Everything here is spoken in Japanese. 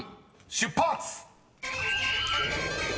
出発！］